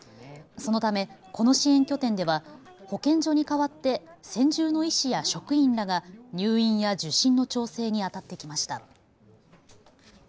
そのため、この支援拠点では保健所に代わって専従の医師や職員らが入院や受診の調整にあたってきました。